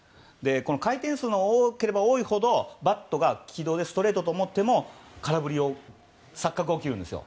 回転数が多ければ多いほどバットが、軌道でストレートと思っても空振りと錯覚が起きるんですよ。